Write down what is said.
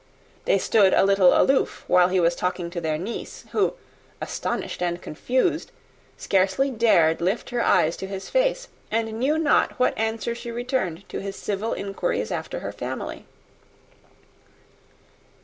They stood a little aloof while he was talking to their niece, who, astonished and confused, scarcely dared lift her eyes to his face, and knew not what answer she returned to his civil inquiries after her family.